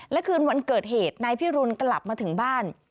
และคืนวันเกิดเหตุนายพิรุณกลับมาถึงบ้าน